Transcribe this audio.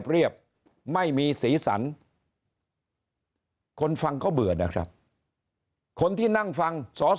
เรียบไม่มีสีสันคนฟังก็เบื่อนะครับคนที่นั่งฟังสอสอ